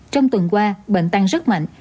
trong tuần qua bệnh tăng rất mạnh